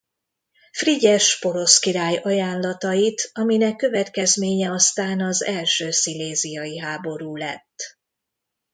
Frigyes porosz király ajánlatait aminek következménye aztán az első sziléziai háború lett.